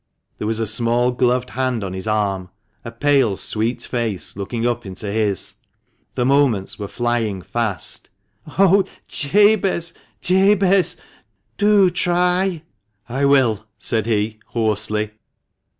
There was a small gloved hand on his arm, a pale, sweet face looking up into his. The moments were flying fast. " Oh ! Jabez, Jabez, do try !" TKB MANCHESTER MAN. 277 " I will," said he, hoarsely.